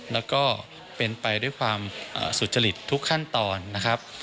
แล้วก็เป็นไปด้วยความสุจริตทุกขั้นตอนนะครับ